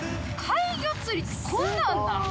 怪魚釣りってこんなんなん！？